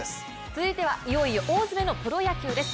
続いてはいよいよ大詰めのプロ野球です。